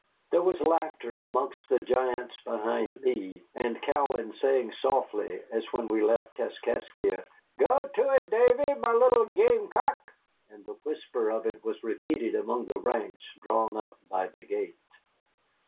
There was laughter amongst the giants behind me, and Cowan saying softly, as when we left Kaskaskia, "Go it, Davy, my little gamecock!" And the whisper of it was repeated among the ranks drawn up by the gate.